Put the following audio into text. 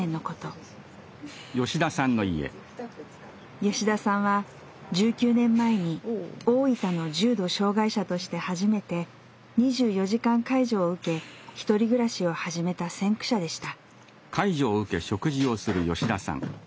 吉田さんは１９年前に大分の重度障害者として初めて２４時間介助を受け１人暮らしを始めた先駆者でした。